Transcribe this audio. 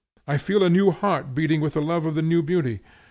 I feel a new heart beating with the love of the new beauty.